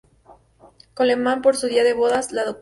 Coleman por su día de bodas, la Dra.